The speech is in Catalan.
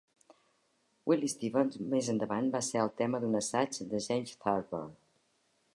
Willie Stevens més endavant va ser el tema d'un assaig de James Thurber.